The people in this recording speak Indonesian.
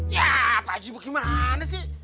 ya pak aji bagaimana sih